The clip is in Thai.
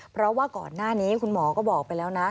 เพราะว่าก่อนหน้านี้คุณหมอก็บอกไปแล้วนะ